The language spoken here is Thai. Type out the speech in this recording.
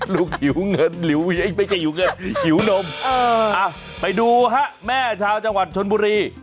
หิวเงินหิวไม่ใช่หิวเงินหิวนมไปดูฮะแม่ชาวจังหวัดชนบุรี